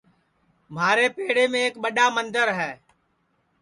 مھارے پیڑیم ایک ٻڈؔا مندر ہے